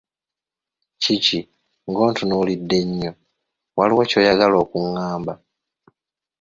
Kiki ng’ontunuulidde nnyo? Waliwo ky'oyagala okungamba?